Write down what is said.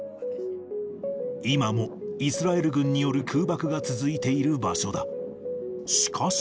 今もイスラエル軍による空爆が続いている場所だ。